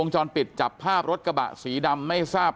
จรปิดจับภาพรถกระบะสีดำไม่ทราบ